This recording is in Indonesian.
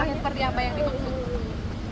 langkah seperti apa yang dimaksud